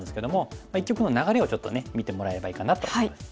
一局の流れをちょっとね見てもらえればいいかなと思います。